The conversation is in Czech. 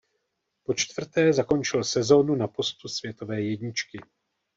Počtvrté zakončil sezónu na postu světové jedničky.